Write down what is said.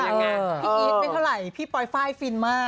พี่อีทไม่เท่าไหร่พี่ปลอยไฟล์ฟินมาก